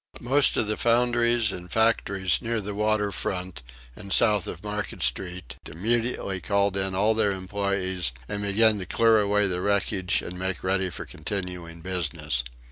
Most of the foundries and factories near the water front and south of Market Street immediately called in all their employees and began to clear away the wreckage and make ready for continuing business.